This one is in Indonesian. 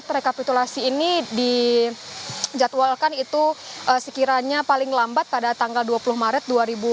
jadi target rekapitulasi ini dijadwalkan itu sekiranya paling lambat pada tanggal dua puluh maret dua ribu dua puluh empat